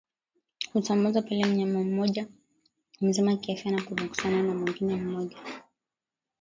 Husambazwa pale mnyama mmoja mzima kiafya anapogusana na mwingine mgonjwa